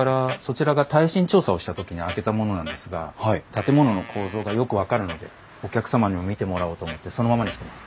建物の構造がよく分かるのでお客様にも見てもらおうと思ってそのままにしてます。